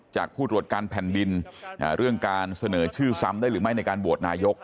ผู้ตรวจการแผ่นดินเรื่องการเสนอชื่อซ้ำได้หรือไม่ในการโหวตนายก